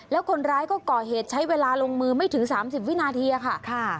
แล้วคนร้ายก็ก่อเหตุใช้เวลาลงมือไม่ถึง๓๐วินาทีค่ะ